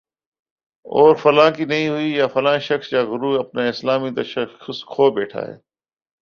اور فلاں کی نہیں ہوئی، یا فلاں شخص یا گروہ اپنا اسلامی تشخص کھو بیٹھا ہے